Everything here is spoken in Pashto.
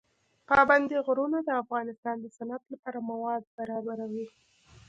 پابندی غرونه د افغانستان د صنعت لپاره مواد برابروي.